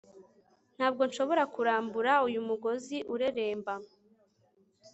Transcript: Ntabwo nshobora kurambura uyu mugozi ureremba